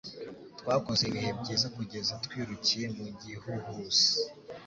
Twakoze ibihe byiza kugeza twirukiye mu gihuhusi